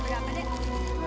terima kasih bu